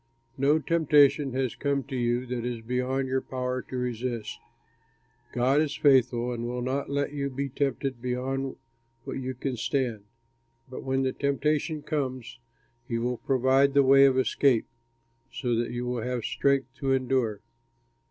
No temptation has come to you that is beyond your power to resist. God is faithful and will not let you be tempted beyond what you can stand; but when the temptation comes, he will provide the way of escape, so that you will have strength to endure.